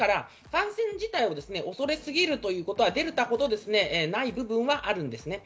感染自体を恐れすぎるということはデルタほどない部分はあります。